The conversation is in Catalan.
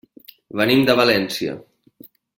Venim de València.